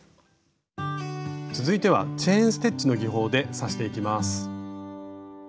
続いてはチェーン・ステッチの技法で刺していきます。